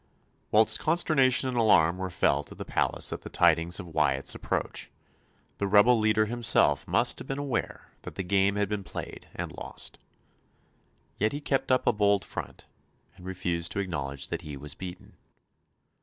Whilst consternation and alarm were felt at the palace at the tidings of Wyatt's approach, the rebel leader himself must have been aware that the game had been played and lost. Yet he kept up a bold front, and refused to acknowledge that he was beaten.